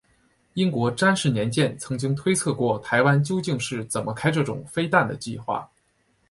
英国詹氏年鉴曾经推测过台湾究竟是怎么开始这种飞弹的计划。